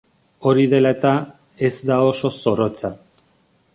Hori dela eta, ez da oso zorrotza.